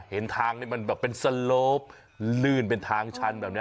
เห็นทางนี้มันแบบเป็นสโลปลื่นเป็นทางชันแบบนี้